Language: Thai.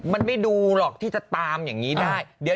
มันไม่ดูหรอกที่จะตามอย่างนี้ได้